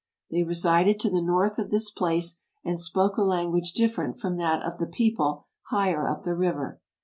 They resided to the north of this place, and spoke a language different from that of the people higher up the river.